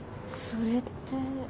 それって。